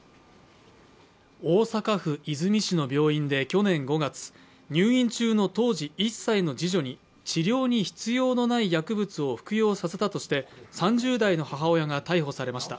大阪府和泉市の病院で去年５月、入院中の当時１歳の次女に治療に必要のない薬物を服用させたとして、３０代の母親が逮捕されました。